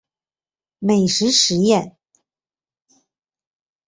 美食飨宴